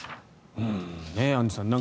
アンジュさん